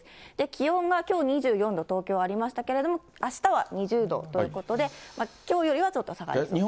気温がきょう２４度、東京ありましたけども、あしたは２０度ということで、きょうよりはちょっと下がりそうですね。